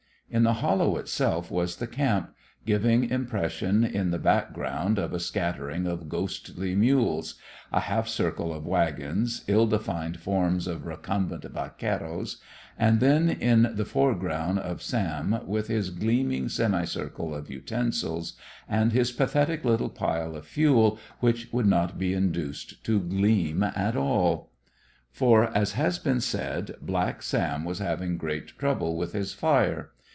In the hollow itself was the camp, giving impression in the background of a scattering of ghostly mules, a half circle of wagons, ill defined forms of recumbent vaqueros, and then in the foreground of Sam with his gleaming semicircle of utensils, and his pathetic little pile of fuel which would not be induced to gleam at all. For, as has been said, Black Sam was having great trouble with his fire.